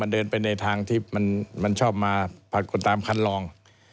มันเดินไปกับมันที่เหมาะควรกดตามครรรห์